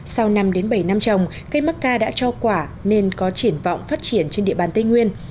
sau năm bảy năm trồng cây macca đã cho quả nên có triển vọng phát triển trên địa bàn tây nguyên